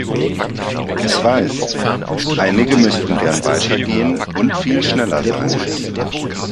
Ich weiß, einige möchten gern weiter gehen und viel schneller sein.